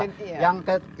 itu yang kedua